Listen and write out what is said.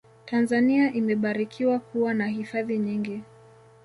tanzania imebarikiwa kuwa na hifadhi nyingi